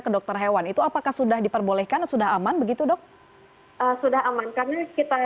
ke dokter hewan itu apakah sudah diperbolehkan sudah aman begitu dok sudah aman karena kita